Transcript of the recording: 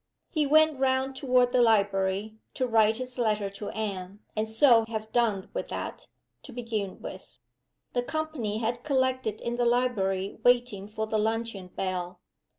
He went round toward the library, to write his letter to Anne and so have done with that, to begin with. The company had collected in the library waiting for the luncheon bell.